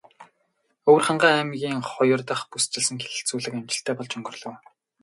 Өвөрхангай аймгийн хоёр дахь бүсчилсэн хэлэлцүүлэг амжилттай болж өндөрлөлөө.